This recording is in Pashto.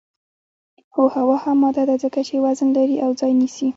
هو هوا هم ماده ده ځکه چې وزن لري او ځای نیسي